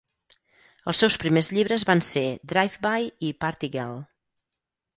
Els seus primers llibres van ser Drive-By i Party Girl.